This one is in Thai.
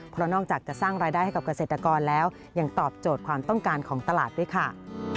เพราะนอกจากจะสร้างรายได้ให้กับเกษตรกรแล้วยังตอบโจทย์ความต้องการของตลาดด้วยค่ะ